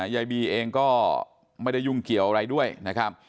ยายบีเองก็ไม่ได้ยุ่งเกี่ยวอะไรด้วยนะครับ